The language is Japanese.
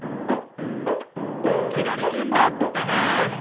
「きらりくんだってなんだ？」